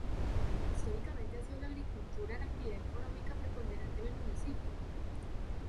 Históricamente ha sido la agricultura la actividad económica preponderante en el municipio.